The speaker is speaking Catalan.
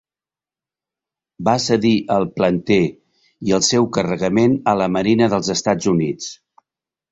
Va cedir el "Planter" i el seu carregament a la Marina dels Estats Units.